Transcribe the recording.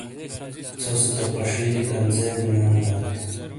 ژھوسے تو پشییلے کنژے بونیونوبات۔